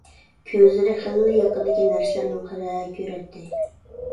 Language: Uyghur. كۆزلىرى خېلىلا يېقىندىكى نەرسىلەرنىمۇ خىرە كۆرەتتى.